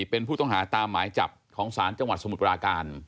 เป็นผู้ต้องหาตามหมายจับของศาลจังหวัดสมุทรปราการ